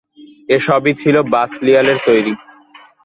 এ সবই ছিল বাসলিয়ালের তৈরী।